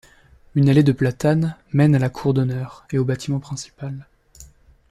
Une allée de platanes mène à la cour d'honneur et au bâtiment principal.